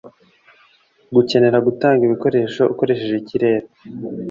Gukenera gutanga ibikoresho ukoresheje ikirere